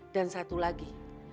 dan satu lagi